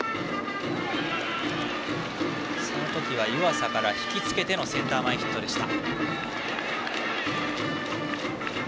その時は湯浅から引き付けてのセンター前ヒットでした。